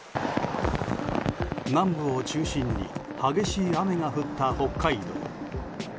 南部を中心に激しい雨が降った北海道。